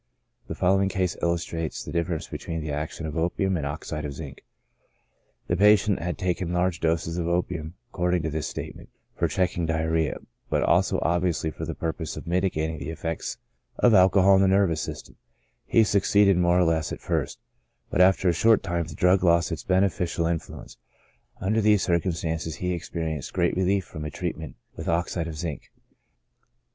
The following case il lustrates the difference between the action of opium and oxide of zinc. The patient had taken large doses of opium according to his statement, for checking diarrhoea, but also obviously for the purpose of mitigating the effects of al cohol on the nervous system ; he succeeded more or less at first, but after a short time the drug lost its beneficial in fluence ; under these circumstances he experienced great relief from a treatment with oxide of zinc.